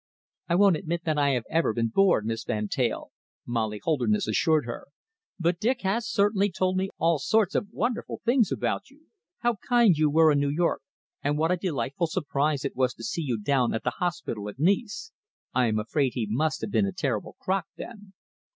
"I won't admit that I have ever been bored, Miss Van Teyl," Molly Holderness assured her, "but Dick has certainly told me all sorts of wonderful things about you how kind you were in New York, and what a delightful surprise it was to see you down at the hospital at Nice. I am afraid he must have been a terrible crock then."